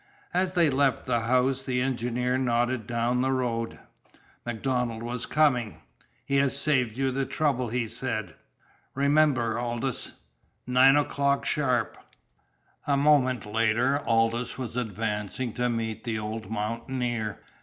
As they left the house the engineer nodded down the road. MacDonald was coming. "He has saved you the trouble," he said. "Remember, Aldous nine o'clock sharp!" A moment later Aldous was advancing to meet the old mountaineer.